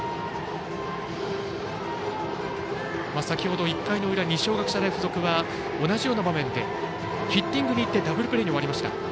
先ほど１回の裏二松学舎大付属は同じような場面でヒッティングにいってダブルプレーに終わりました。